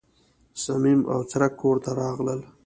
صمیم او څرک کور ته راغلل.